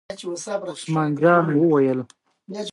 عثمان جان وویل: ګلداد ماما ته خو را وتلې وې کنه.